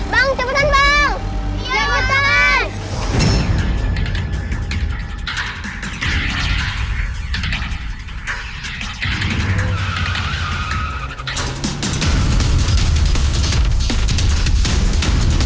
bang cepetan bang